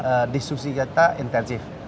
jadi diskusi kita intensif